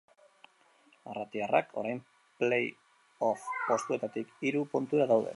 Arratiarrak orain paly-off postuetaik hiru puntura daude.